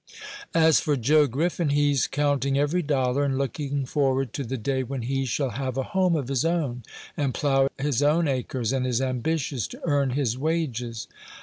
As for Joe Griffin, he's counting every dollar, and looking forward to the day when he shall have a home of his own, and plough his own acres, and is ambitious to earn his wages.